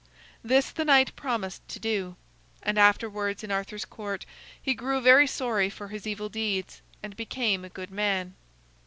This the knight promised to do. And afterwards, in Arthur's Court, he grew very sorry for his evil deeds, and became a good man.